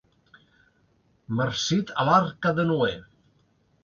Marcit a l'Arca de Noè.